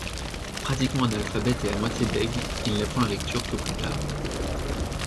Pratiquement analphabète et à moitié bègue, il n'apprend la lecture que plus tard.